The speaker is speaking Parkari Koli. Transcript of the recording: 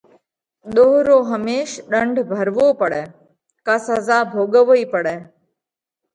ۮوه رو هميش ڏنڍ ڀروو پڙئه ڪا سزا ڀوڳوَئِي پڙئه۔